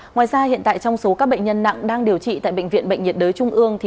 ngoài ra hiện tại trong số các bệnh nhân nặng đang điều trị tại bệnh viện bệnh nhiệt đới trung ương